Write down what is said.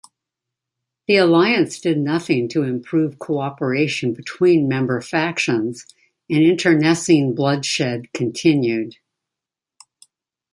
The alliance did nothing to improve cooperation between member factions, and internecine bloodshed continued.